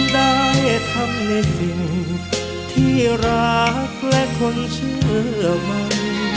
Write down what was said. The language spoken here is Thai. ได้ทำในสิ่งที่รักและคนเชื่อมัน